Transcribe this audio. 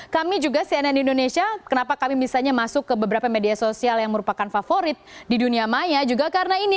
kami juga cnn indonesia kenapa kami misalnya masuk ke beberapa media sosial yang merupakan favorit di dunia maya juga karena ini